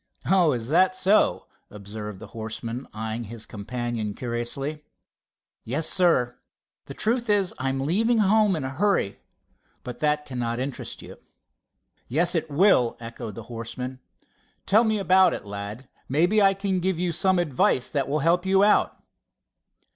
"Oh, is that so?" observed the horseman, eyeing his companion curiously. "Yes, sir. The truth is I'm leaving home in a hurry—but that cannot interest you." "Yes, it will," echoed the horseman. "Tell us all about it, lad. Maybe I can give you some advice that will help you out."